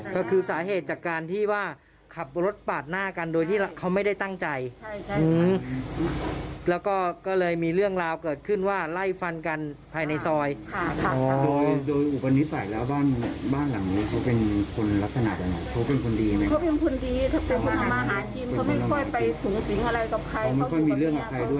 ก็คือสาเหตุจากการที่ว่าขับรถปาดหน้ากันโดยที่เขาไม่ได้ตั้งใจแล้วก็ก็เลยมีเรื่องราวเกิดขึ้นว่าไล่ฟันกันภายในซอยค่ะโดยโดยอุปนิสัยแล้วบ้านบ้านหลังนี้เขาเป็นคนลักษณะยังไงเขาเป็นคนดีไหมเขาเป็นคนดีเขาเป็นคนทำมาหากินเขาไม่ค่อยไปสูงสิงอะไรกับใครไม่ค่อยมีเรื่องกับใครด้วย